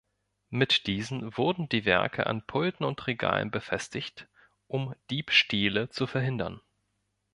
Mit diesen wurden die Werke an Pulten und Regalen befestigt um Diebstähle zu verhindern.